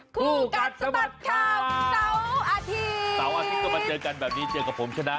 คู่กัททสต์ข้าวเสาอาทีมเสาอาทีมกลับมาเจอกันแบบนี้เจอกับผมชนะ